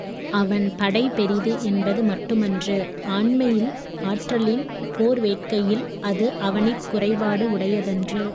அவன் படை பெரிது என்பது மட்டுமன்று ஆண்மையில், ஆற்றலில், போர் வேட்கையில், அது, அவனிற் குறைபாடு உடையதன்று.